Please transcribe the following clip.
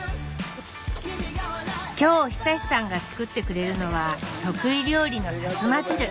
今日久さんが作ってくれるのは得意料理の「さつま汁」。